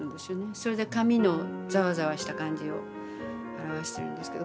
それで紙のざわざわした感じを表してるんですけど。